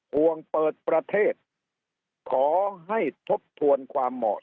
ห่วงเปิดประเทศขอให้ทบทวนความเหมาะ